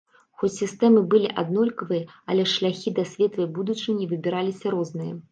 Хоць сістэмы былі аднолькавыя, але ж шляхі да светлай будучыні выбіраліся розныя.